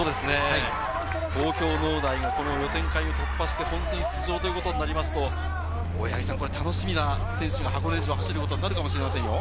東京農大、この予選会を突破して本選出場ということになりますと、楽しみな選手が箱根路を走ることになるかもしれませんよ。